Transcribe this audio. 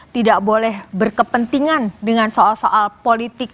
tidak boleh berkepentingan dengan soal soal politik